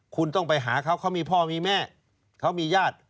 คุณต้องไปหาเขาเขามีพ่อมีแม่เขามีญาติ